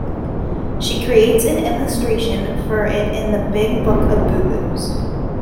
She creates an illustration for it in the Big Book of Boo Boos.